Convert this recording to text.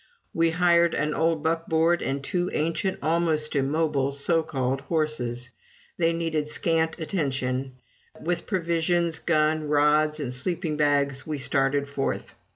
We hired an old buckboard and two ancient, almost immobile, so called horses, they needed scant attention, and with provisions, gun, rods, and sleeping bags, we started forth.